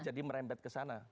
jadi merembet kesana